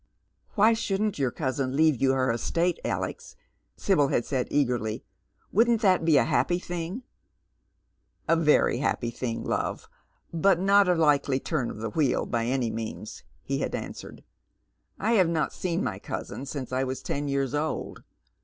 "Why shouldn't your cousin leave you her estate, Alex?" Sibyl had said eagerly. " Wouldn't that be a happy thing ?"" A very happy thing, love, but not a likely turn of the wheel by any means," he had answered. " I have never seen iny cousin since I was ten years old.